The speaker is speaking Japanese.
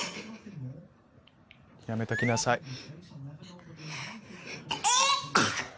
やめときなさい。